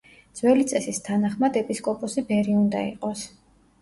ძველი წესის თანახმად, ეპისკოპოსი ბერი უნდა იყოს.